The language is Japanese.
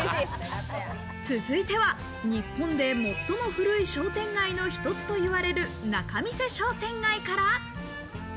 続いては、日本で最も古い商店街の一つといわれる仲見世商店街から。